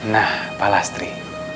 nah pak lastri